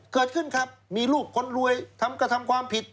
เกิดขึ้นครับมีลูกคนรวยทำกระทำความผิด